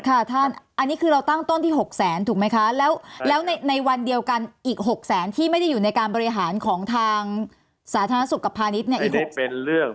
ท่านอันนี้คือเราตั้งต้นที่๖แสนถูกไหมคะแล้วในวันเดียวกันอีก๖แสนที่ไม่ได้อยู่ในการบริหารของทางสาธารณสุขกับพาณิชย์เนี่ยอีกเป็นเรื่อง